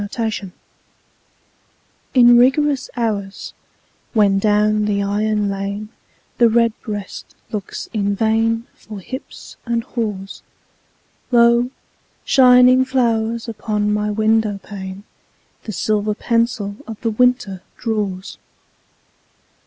XVII—WINTER In rigorous hours, when down the iron lane The redbreast looks in vain For hips and haws, Lo, shining flowers upon my window pane The silver pencil of the winter draws.